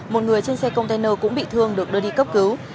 một người trên xe container cũng bị thương được đưa đi cấp cứu